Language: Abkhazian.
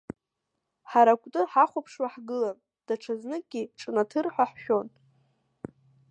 Ҳара акәты ҳахәаԥшуа ҳгылан, даҽазныкгьы ҿнаҭыр ҳәа ҳшәон.